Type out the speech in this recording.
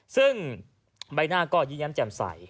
ซึ่งใบหน้าก็ยิ้มแย้มแจ่มใส